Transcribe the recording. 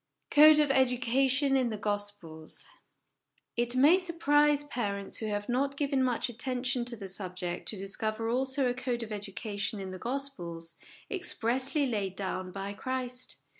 Code of Education in the Gospels. It may surprise parents who have not given much attention to the subject to discover also a code of education in the Gospels, expressly laid down by Christ.